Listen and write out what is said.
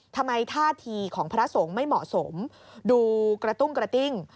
ท่าทีของพระสงฆ์ไม่เหมาะสมดูกระตุ้งกระติ้ง